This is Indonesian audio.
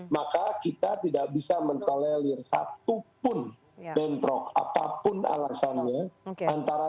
maka kita tidak bisa mengelelir satupun bentrok apapun alasannya antara tni dan polri